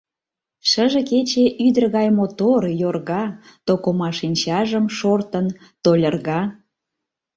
Шыже кече ӱдыр гай мотор, йорга: то кума шинчажым, шортын, то льырга.